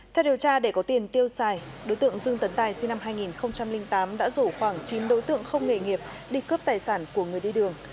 theo điều tra để có tiền tiêu xài đối tượng dương tấn tài sinh năm hai nghìn tám đã rủ khoảng chín đối tượng không nghề nghiệp đi cướp tài sản của người đi đường